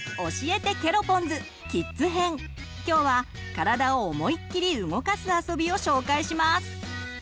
今日は体を思いっきり動かすあそびを紹介します。